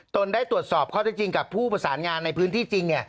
ได้ตรวจสอบข้อที่จริงกับผู้ประสานงานในพื้นที่จริง